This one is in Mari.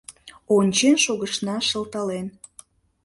Ончен шогышна шылтален.